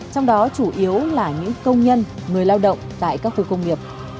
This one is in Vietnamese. trong đó chủ yếu là những công nhân người lao động tại các khu công nghiệp